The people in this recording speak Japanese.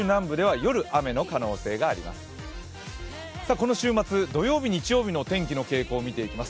この週末、土曜日、日曜日の天気の傾向を見ていきます。